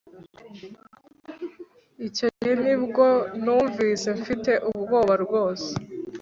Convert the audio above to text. Icyo gihe ni bwo numvise mfite ubwoba rwose